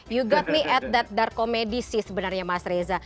you got me at that dark comedy sih sebenarnya mas reza